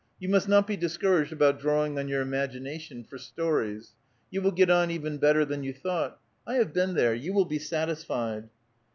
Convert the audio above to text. You must not be discouraged about drawing on your imagi nation for stories. You will get on even better than you thought. 1 have been there ; you will be satisfied."